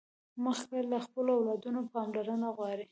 مځکه له خپلو اولادونو پاملرنه غواړي.